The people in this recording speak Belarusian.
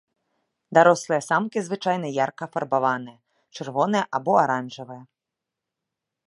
Дарослыя самкі звычайна ярка афарбаваныя, чырвоныя або аранжавыя.